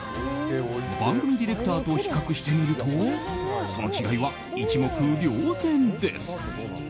番組ディレクターと比較してみるとその違いは一目瞭然です。